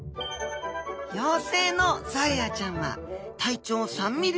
幼生のゾエアちゃんは体長３ｍｍほど。